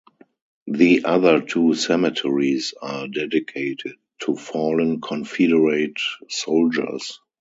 The other two cemeteries are dedicated to fallen Confederate soldiers.